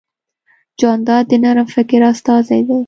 جانداد د نرم فکر استازی دی.